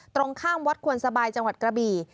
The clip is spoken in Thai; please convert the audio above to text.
ตรงข้ามวัดควนสบายจังหวัดกระบี่